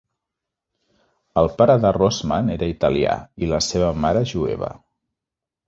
El pare de Rossman era italià i la seva mare jueva.